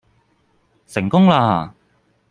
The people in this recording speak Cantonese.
成功啦